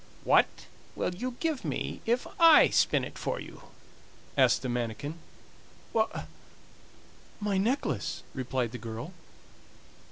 "What will you give me if I spin it for you?" asked the manikin. "My necklace," replied the girl.